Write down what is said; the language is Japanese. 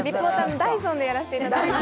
ダイソンでやらせていただいてます。